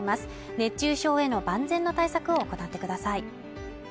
熱中症への万全の対策を行ってください